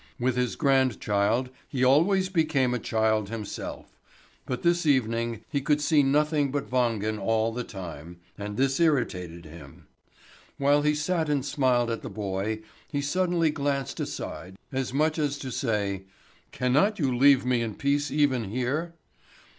With his grandchild he always became a child himself; but this evening he could see nothing but Wangen all the time, and this irritated him. While he sat and smiled at the boy, he suddenly glanced aside, as much as to say: "Cannot you leave me in peace even here?"